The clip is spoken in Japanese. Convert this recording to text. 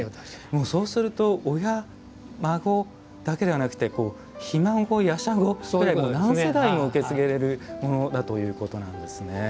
そうすると親、孫だけではなくてひ孫、やしゃごぐらい何世代にも受け継げれるものだということなんですね。